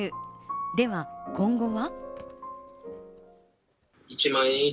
では今後は？